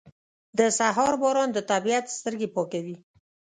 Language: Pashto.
• د سهار باران د طبیعت سترګې پاکوي.